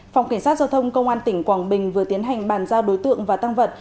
phòng cảnh sát giao thông công an tỉnh quảng bình vừa tiến hành bàn giao đối tượng và tăng vật